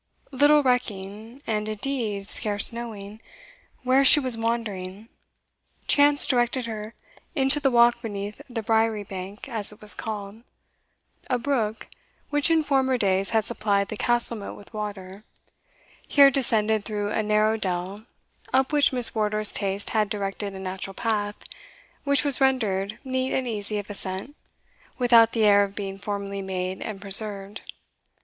Little recking, and indeed scarce knowing, where she was wandering, chance directed her into the walk beneath the Briery Bank, as it was called. A brook, which in former days had supplied the castle moat with water, here descended through a narrow dell, up which Miss Wardour's taste had directed a natural path, which was rendered neat and easy of ascent, without the air of being formally made and preserved.